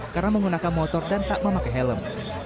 karena menggunakan motor dan tak memakai helm